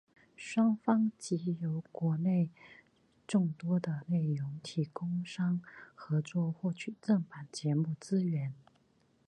双方藉由与国内众多的内容提供商合作获取正版节目资源。